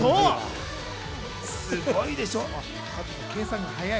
すごいでしょ？